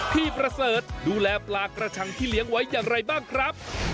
พี่ประเสริฐดูแลปลากระชังที่เลี้ยงไว้อย่างไรบ้างครับ